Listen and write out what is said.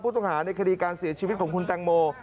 ต้องหาในคดีการเสียชีวิตของคุณแตงโม